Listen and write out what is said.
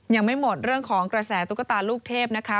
ยังไม่หมดเรื่องของกระแสตุ๊กตาลูกเทพนะคะ